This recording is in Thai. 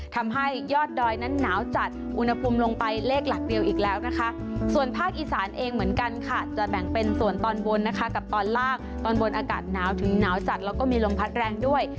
แต่แบ่งเป็นส่วนตอนบนนะคะกับตอนล่างตอนบนอากาศหนาวถึงหนาวจัดแล้วก็มีลมพัดแรงด้วย